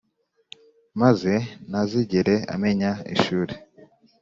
maze ntazigere amenya ishuri.